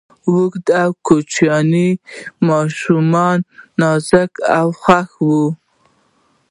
وزې د کوچنیو ماشومانو ناز خوښوي